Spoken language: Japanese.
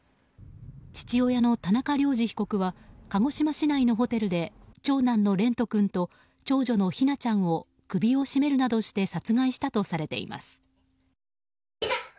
父親の田中涼二被告は鹿児島市内のホテルで長男の蓮翔君と長女の姫奈ちゃんを首を絞めるなどして殺害したとされています。